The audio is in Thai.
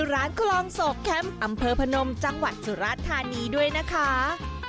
ร้านคลองโศกแคมป์อำเภอพนมจังหวัดสุราธานีด้วยนะคะ